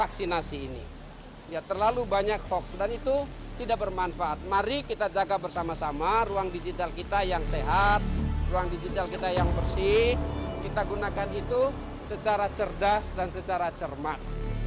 kita sehat ruang digital kita yang bersih kita gunakan itu secara cerdas dan secara cermat